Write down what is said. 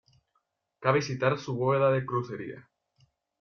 Cabe citar su bóveda de crucería.